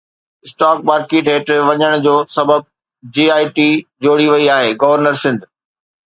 stock market هيٺ وڃڻ جو سبب جي آءِ ٽي جوڙي وئي آهي، گورنر سنڌ